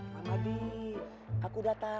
rahmadi aku datang